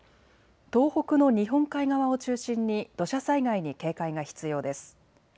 東北の日本海側を中心に土砂災害に警戒が必要です。